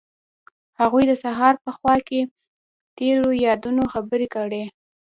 هغوی د سهار په خوا کې تیرو یادونو خبرې کړې.